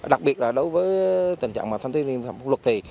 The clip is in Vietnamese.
đặc biệt là đối với tình trạng thông tin liên phòng phục luật thì